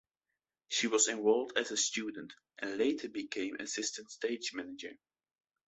She was enrolled as a student, and later became assistant stage manager.